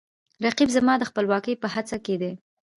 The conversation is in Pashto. رقیب زما د خپلواکۍ په هڅه کې دی